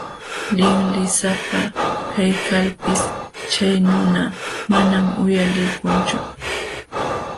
Linlisapa kaykalpis chay nuna manam uyalikunchu.